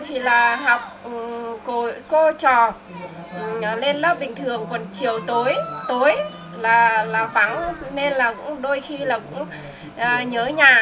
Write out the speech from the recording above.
thì là học cô trò lên lớp bình thường còn chiều tối tối là vắng nên là cũng đôi khi là cũng nhớ nhà